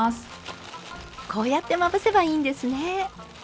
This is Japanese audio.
こうやってまぶせばいいんですね。